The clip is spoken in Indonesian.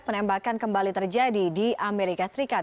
penembakan kembali terjadi di amerika serikat